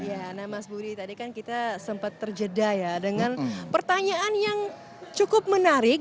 iya nah mas budi tadi kan kita sempat terjeda ya dengan pertanyaan yang cukup menarik